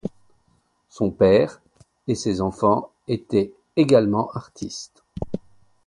Son père et ses enfants étaient également artistes.